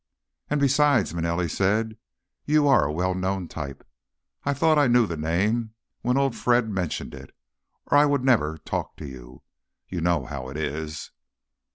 "And besides," Manelli said, "you are a well known type. I thought I knew the name when old Fred mentioned it, or I would never talk to you. You know how it is."